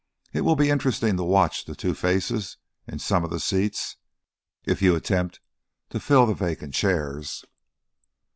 It will be interesting to watch the two faces in some of the seats if you attempt to fill the vacant chairs."